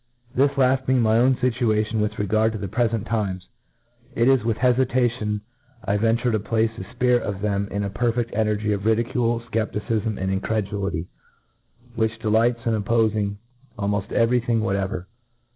This lalt being my own fituation with regard to the prefent times, it is with hcfitatiou I venture to place the fpirit of them in a perfeft energy of ridicule, fcepticifm, and incredulity, which delights in oppofing almoft every thing whatever.